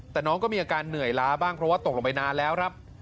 แต่น้องก็มีอาการเหนื่อยล้าบ้างเพราะว่าตกลงไปนานแล้วครับ